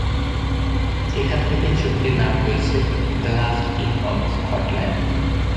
এখান থেকেই ছবিটির নাম হয়েছে "the last king of Scotland."